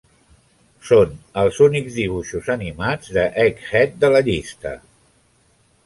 Són els únics dibuixos animats d'Egghead de la llista.